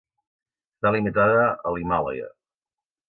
Està limitada a l'Himàlaia.